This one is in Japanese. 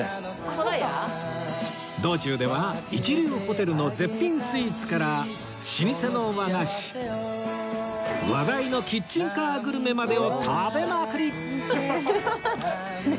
道中では一流ホテルの絶品スイーツから老舗の和菓子話題のキッチンカーグルメまでを食べまくりハハハハッ！